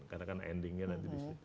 karena kan endingnya nanti disitu